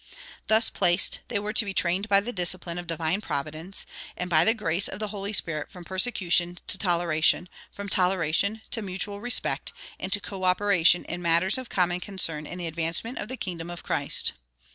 Thus placed, they were to be trained by the discipline of divine Providence and by the grace of the Holy Spirit from persecution to toleration, from toleration to mutual respect, and to coöperation in matters of common concern in the advancement of the kingdom of Christ.